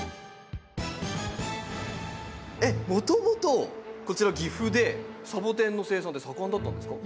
もともとこちら岐阜でサボテンの生産って盛んだったんですか？